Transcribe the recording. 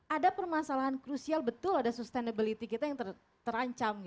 ada permasalahan krusial betul ada sustainability kita yang terancam